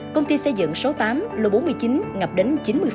công ty xây dựng số tám lô bốn mươi chín ngập đến chín mươi